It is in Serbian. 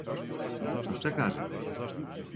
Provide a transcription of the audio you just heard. А шта кажете?